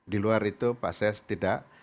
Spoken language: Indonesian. di luar itu pak ses tidak